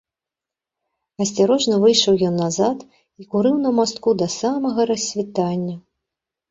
Асцярожна выйшаў ён назад і курыў на мастку да самага рассвітання.